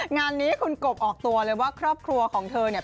งานนี้คุณกบออกตัวเลยว่าครอบครัวของเธอเนี่ย